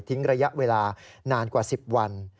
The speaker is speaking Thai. ระยะเวลานานกว่า๑๐วัน